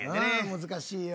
難しいよ。